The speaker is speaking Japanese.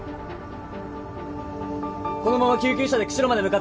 このまま救急車で釧路まで向かってください。